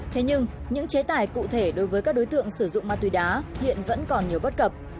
thế nhưng những chế tài cụ thể đối với các đối tượng sử dụng ma túy đá hiện vẫn còn nhiều bất cập